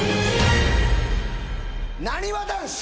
なにわ男子！